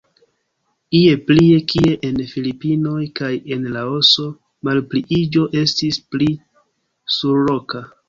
Ie plie, kie en Filipinoj kaj en Laoso, malpliiĝo estis pli surloka.